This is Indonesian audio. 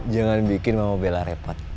jangan bikin mama bela repot